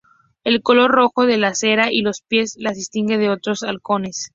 El color rojo de la cera y los pies las distingue de otros halcones.